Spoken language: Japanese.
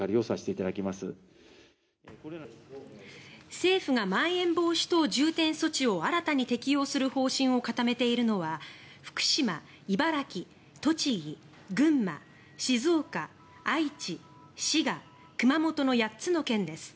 政府がまん延防止等重点措置を新たに適用する方針を固めているのは福島、茨城、栃木、群馬静岡、愛知、滋賀、熊本の８つの県です。